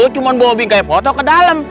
cuman bawa bingkai foto ke dalem